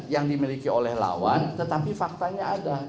yang dimiliki oleh lawan tetapi faktanya ada